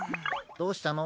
どうしたの？